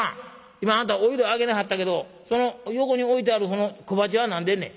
今あんたおいど上げなはったけどその横に置いてあるその小鉢は何でんねん？」。